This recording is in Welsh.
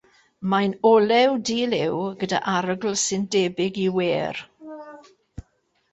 Mae'n olew di-liw gydag arogl sy'n debyg i wêr.